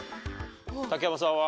竹山さんは？